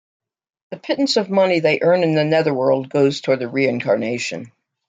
The pittance of money they earn in the Netherworld goes towards their reincarnation.